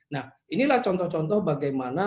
nah inilah contoh contoh bagaimana